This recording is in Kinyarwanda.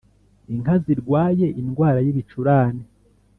Inka zirwaye indwara y’ibicurane